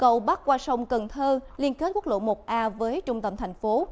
cầu bắc qua sông cần thơ liên kết quốc lộ một a với trung tâm thành phố